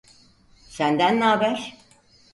Senden n'aber?